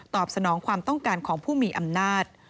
สนองความต้องการของผู้มีอำนาจ